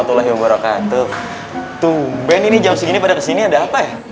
tuh band ini jam segini pada kesini ada apa ya